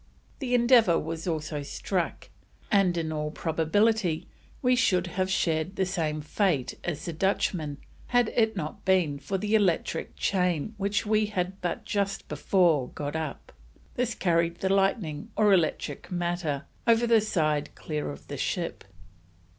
The Endeavour was also struck: "and in all probability we should have shared the same fate as the Dutchman, had it not been for the electric chain which we had but just before got up; this carried the Lightning or Electrical matter over the side clear of the ship."